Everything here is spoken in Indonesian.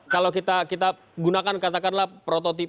kalau kita gunakan katakanlah prototipe